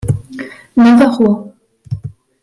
Navarrois